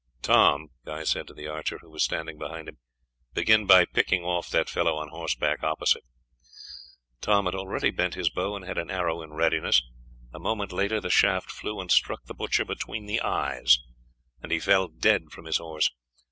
"Tom," Guy said to the archer, who was standing behind him. "Begin by picking off that fellow on horseback opposite." Tom had already bent his bow and had an arrow in readiness, a moment later the shaft flew and struck the butcher between the eyes, and he fell dead from his horse.